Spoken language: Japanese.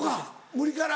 無理から。